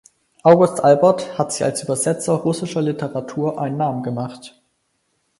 August Albert hat sich als Übersetzer russischer Literatur einen Namen gemacht.